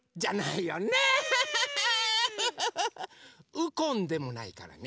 「ウコン」でもないからね。